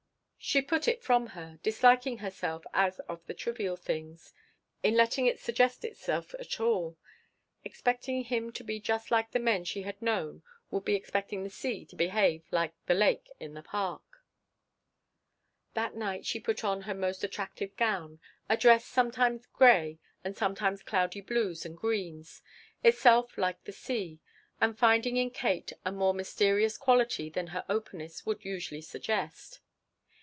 She put it from her, disliking herself as of the trivial things in letting it suggest itself at all. Expecting him to be just like the men she had known would be expecting the sea to behave like that lake in the park. That night she put on her most attractive gown, a dress sometimes gray and sometimes cloudy blues and greens, itself like the sea, and finding in Katie a more mysterious quality than her openness would usually suggest.